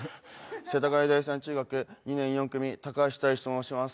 世田谷第３中学、２年４組、高橋大志と申します。